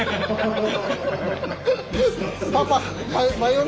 パパ！